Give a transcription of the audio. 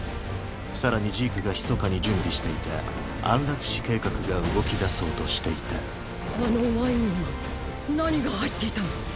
さらにジークがひそかに準備していた「安楽死計画」が動きだそうとしていたあのワインには何が入っていたの？